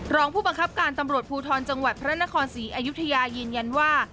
รองผู้บังคับการตำรวจภูทรจังหวัดพระนครศรีอยุธยายืนยันว่า